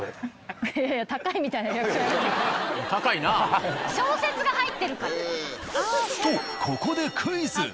いやいやとここでクイズ。